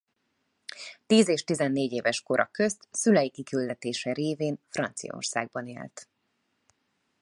Tíz és tizennégy éves kora közt szülei kiküldetése révén Franciaországban élt.